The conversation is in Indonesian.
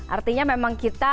artinya memang gitu ya